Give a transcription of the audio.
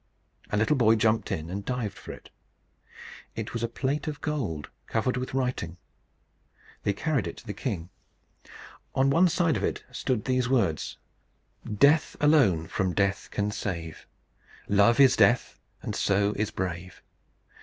A little boy jumped in and dived for it. It was a plate of gold covered with writing. They carried it to the king. On one side of it stood these words: "Death alone from death can save. Love is death, and so is brave.